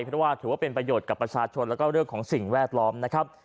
เพราะว่าถือว่าเป็นประโยชน์กับประชาชนแล้วก็เรื่องของสิ่งแวดล้อมนะครับ